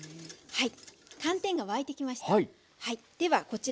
はい。